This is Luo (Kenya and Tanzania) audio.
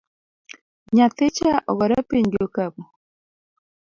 Nyathicha ogore piny gi okapu